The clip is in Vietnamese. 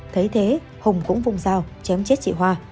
thấy thế hùng cũng vùng dao chém chết chị hoa